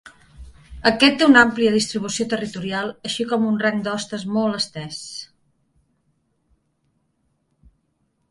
Aquest té una àmplia distribució territorial així com un rang d'hostes molt estès.